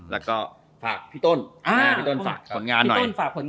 แล้วก็ฝากพี่ต้นฝากผลงานหน่อย